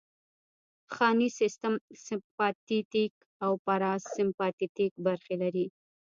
ځانی سیستم سمپاتیتیک او پاراسمپاتیتیک برخې لري